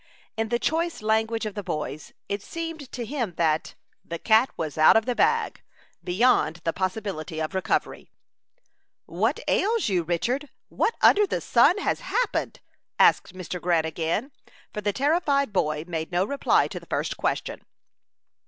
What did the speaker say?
In the choice language of the boys, it seemed to him that "the cat was out of the bag" beyond the possibility of recovery. "What ails you, Richard? What under the sun has happened?" asked Mr. Grant again, for the terrified boy made no reply to the first question.